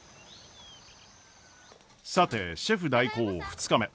さてシェフ代行２日目。